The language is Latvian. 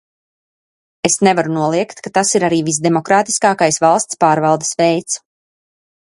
Es nevaru noliegt, ka tas ir arī visdemokrātiskākais valsts pārvaldes veids.